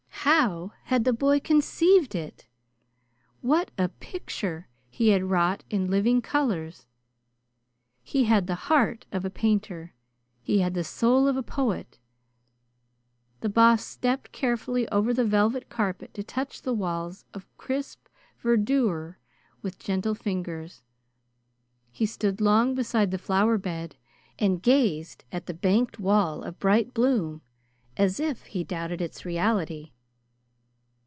How had the boy conceived it? What a picture he had wrought in living colors! He had the heart of a painter. He had the soul of a poet. The Boss stepped carefully over the velvet carpet to touch the walls of crisp verdure with gentle fingers. He stood long beside the flower bed, and gazed at the banked wall of bright bloom as if he doubted its reality.